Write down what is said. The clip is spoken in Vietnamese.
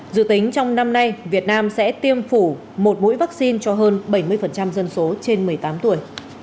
dự tính trong năm nay việt nam sẽ tiêm phủ một mũi vaccine cho hơn bảy mươi dân số trên một mươi tám tuổi